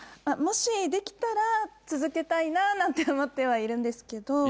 もしできたら続けたいななんて思ってはいるんですけど。